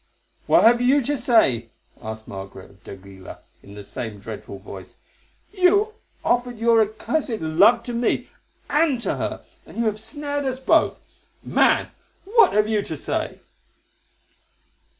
"What have you to say?" asked Margaret of d'Aguilar in the same dreadful voice. "You offered your accursed love to me—and to her, and you have snared us both. Man, what have you to say?"